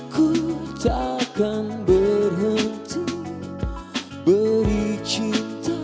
ku takkan berhenti beri cinta